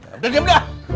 sudah diam udah